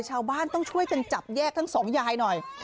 ชาวบ้านต้องช่วยกันจับแยกทั้งสองยายหน่อย